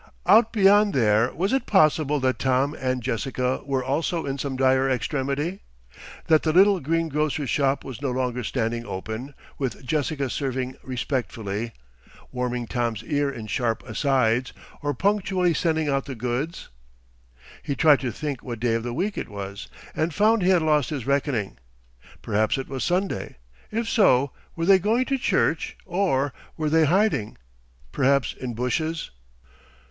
Out beyond there was it possible that Tom and Jessica were also in some dire extremity? that the little green grocer's shop was no longer standing open, with Jessica serving respectfully, warming Tom's ear in sharp asides, or punctually sending out the goods? He tried to think what day of the week it was, and found he had lost his reckoning. Perhaps it was Sunday. If so, were they going to church or, were they hiding, perhaps in bushes?